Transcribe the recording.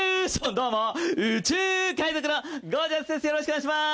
どうも宇宙海賊のゴー☆ジャスです。